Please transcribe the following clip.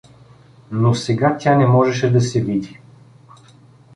Но сега тя не можеше да се види.